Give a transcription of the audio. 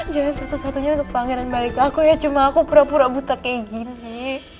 satu satunya untuk pangeran balik aku ya cuma aku pura pura buta kayak gini